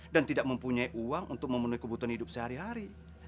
dan tidak mempunyai uang untuk memenuhi kebutuhan hidup sehari hari